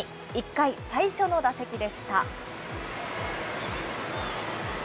１回、最初の打席でした。